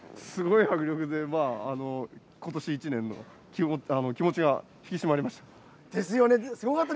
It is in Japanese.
すごい迫力でことし１年の気持ちが引き締まりました。